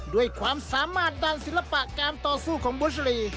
ด้วยความสามารถด้านศิลปะการต่อสู้ของบุชรี